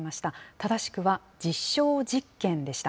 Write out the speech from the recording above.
正しくは実証実験でした。